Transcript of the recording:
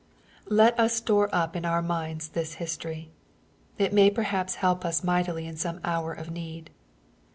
^' Let us store up in our minds this history. It may perhaps help us mightily in some hour of need.